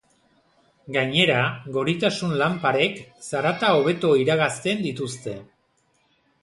Gainera, goritasun-lanparek zaratak hobeto iragazten dituzte.